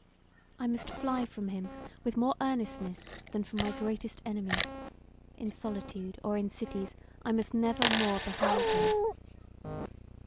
I must fly from him with more earnestness than from my greatest enemy: in solitude or in cities I must never more behold him.